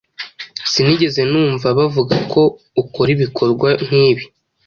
Sinigeze numva bavuga ko ukora ibikorwa nkibi